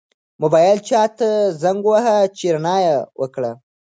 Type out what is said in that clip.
موبایل چا ته زنګ واهه چې رڼا یې وکړه؟